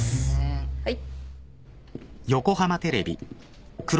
はい。